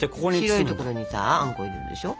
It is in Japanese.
白い所にさあんこ入れるでしょ。